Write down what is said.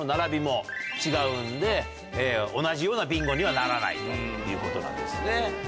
同じようなビンゴにはならないということなんですね。